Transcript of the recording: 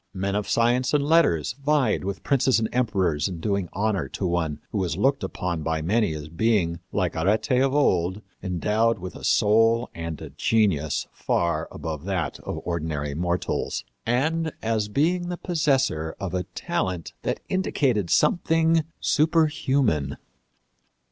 Men of science and letters vied with princes and emperors in doing honor to one who was looked upon by many as being, like Arete of old, endowed with a soul and a genius far above that of ordinary mortals, and as being the possessor of a talent that indicated something superhuman.